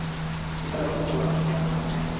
এই কাজ আরম্ভ করবার মতো নগদ টাকা হাতে নেই আমার।